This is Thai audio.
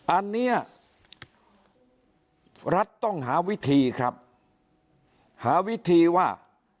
อันนี้รัฐต้องหาวิธีครับหาวิธีว่า